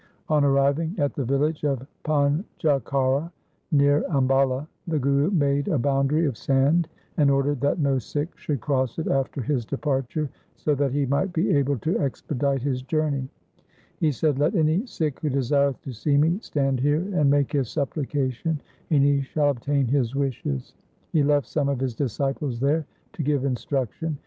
On arriving at the village of Panj okhara near Ambala, the Guru made a boundary of sand and ordered that no Sikh should cross it after his departure, so that he might be able to expedite his journey. He said, ' Let any Sikh who desireth to see me stand here and make his supplication, and he shall obtain LIFE OF GURU HAR KRISHAN 321 his wishes.' He left some of his disciples there to give instruction.